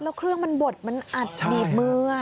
แล้วเครื่องมันบดมันอัดหนีบมือ